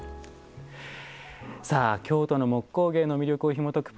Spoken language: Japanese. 京都の木工芸の魅力をひもとく